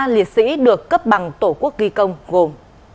ba liệt sĩ được cấp bằng tổ quốc ghi công gồm